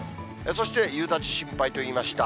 そして夕立心配と言いました。